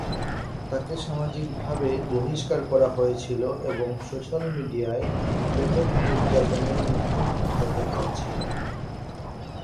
তাকে সামাজিকভাবে বহিষ্কার করা হয়েছিল এবং সোশ্যাল মিডিয়ায় ব্যাপক নির্যাতনের মুখোমুখি হতে হয়েছিল।